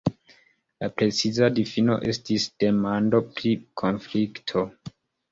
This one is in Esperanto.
La preciza difino estis demando pri konflikto.